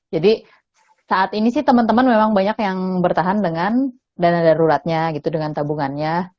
jadi saat ini sih teman teman memang banyak yang bertahan dengan dana daruratnya gitu dengan tabungannya